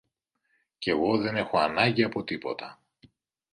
κι εγώ δεν έχω ανάγκη από τίποτα.